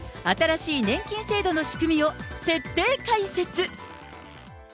新しい年金制度の仕組みを、徹底解説。